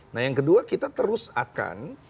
nah yang kedua kita terus akan